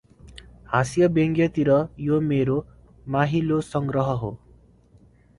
हास्यव्यङ्ग्यतिर यो मेरो माहिलो सङ्ग्रह हो ।